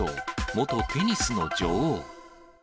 元テニスの女王。